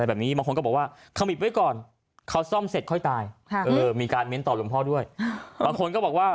บางคนก็บอกว่ามิดไว้ก่อน